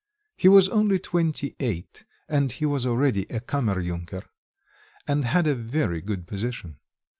He was only twenty eight, and he was already a kammer yunker, and had a very good position.